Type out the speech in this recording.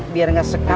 biar gak seka